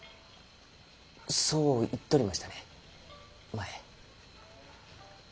そう言っとりましたね前。